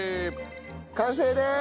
完成です。